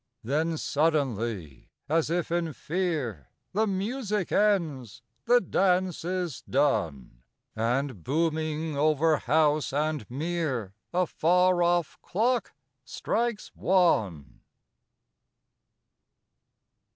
Then suddenly, as if in fear, The music ends, the dance is done; And booming over house and mere A far off clock strikes one.